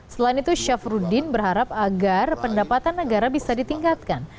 selain itu syafruddin berharap agar pendapatan negara bisa ditingkatkan